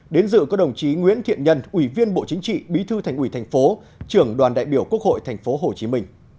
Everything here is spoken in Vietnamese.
đến dự có đồng chí nguyễn thiện nhân ủy viên bộ chính trị bí thư thành ủy thành phố trưởng đoàn đại biểu quốc hội tp hcm